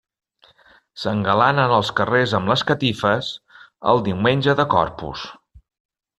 S'engalanen els carrers amb les catifes, el diumenge de Corpus.